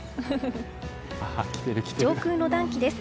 上空の暖気です。